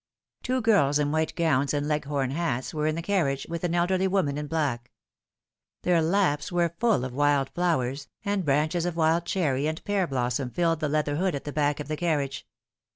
Two girls in white gowns and Leghorn hats were in the car riage, with an elderly woman in black. Their laps were full of wild flowers, and branches of wild cherry and pear blossom filled the leather hood at the back of the carriage.